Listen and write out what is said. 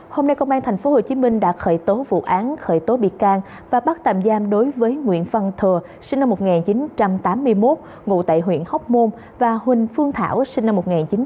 hôm nay công an tp hcm đã khởi tố vụ án khởi tố bị can và bắt tạm giam đối với nguyễn văn thừa sinh năm một nghìn chín trăm tám mươi một ngụ tại huyện hóc môn và huỳnh phương thảo sinh năm một nghìn chín trăm tám mươi